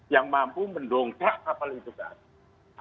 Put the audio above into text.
yang mampu mendongkak kapal itu ke atas